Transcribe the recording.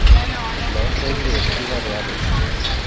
La otra es Directiva de Aves.